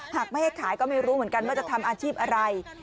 หากไม่ให้ขายก็ไม่รู้เหมือนกันว่าจะทำอาชีพอะไร